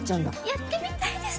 やってみたいです！